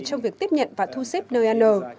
trong việc tiếp nhận và thu xếp nơi ăn